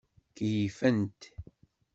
Keyyfent.